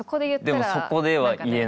でもそこでは言えないみたいな。